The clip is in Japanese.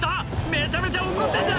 めちゃめちゃ怒ってんじゃん」